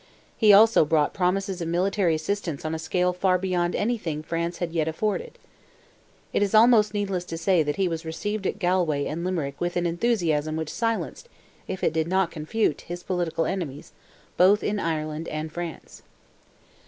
He also brought promises of military assistance on a scale far beyond anything France had yet afforded. It is almost needless to say he was received at Galway and Limerick with an enthusiasm which silenced, if it did not confute, his political enemies, both in Ireland and France.